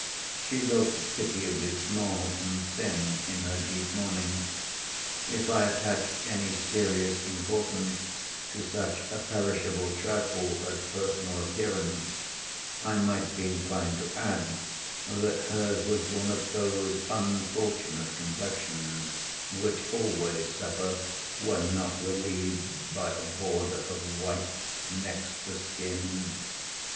She looked pitiably small and thin in her deep mourning. If I attached any serious importance to such a perishable trifle as personal appearance, I might be inclined to add that hers was one of those unfortunate complexions which always suffer when not relieved by a border of white next the skin.